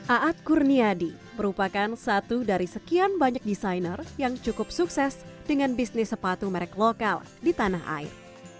aad kurniadi merupakan satu dari sekian banyak desainer yang cukup sukses dengan bisnis sepatu merek lokal di tanah air